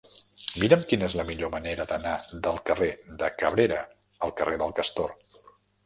Mira'm quina és la millor manera d'anar del carrer de Cabrera al carrer del Castor.